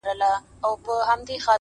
o گراني شاعري ستا په خوږ ږغ كي.